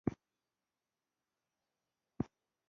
خپله راتلونکې راته تياره ښکاري.